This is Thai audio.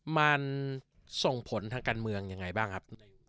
มันส่งผลทางการเมืองยังไงบ้างครับ